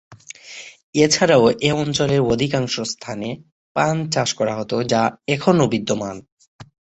এছাড়াও এ অঞ্চলে অধিকাংশ স্থানে পান চাষ করা হত যা এখনও বিদ্যমান।